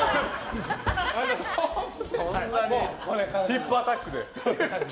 ヒップアタックで。